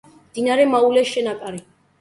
მდინარე მაულეს შენაკადი.